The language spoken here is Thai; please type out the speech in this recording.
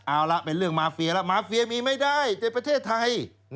เอาละเป็นเรื่องมาเฟียแล้วมาเฟียมีไม่ได้แต่ประเทศไทย